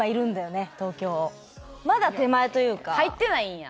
まだ手前というか。